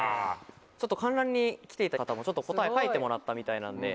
観覧に来ていた方も答え書いてもらったみたいなんで。